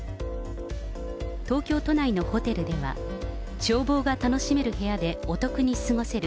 東京都内のホテルでは、眺望が楽しめる部屋でお得に過ごせる